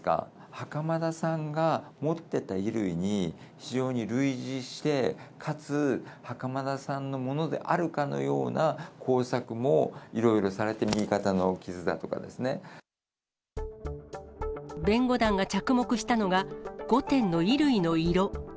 袴田さんが持ってた衣類に非常に類似して、かつ袴田さんのものであるかのような工作もいろいろされて、弁護団が着目したのが、５点の衣類の色。